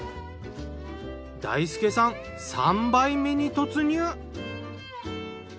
大輔さん３杯目に突入。